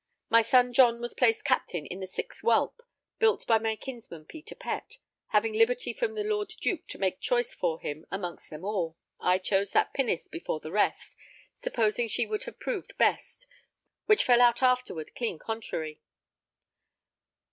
My son John was placed Captain in the sixth Whelp, built by my kinsman Peter Pett; having liberty from the Lord Duke to make choice for him amongst them all, I chose that pinnace before the rest, supposing she would have proved best, which fell out afterward clean contrary.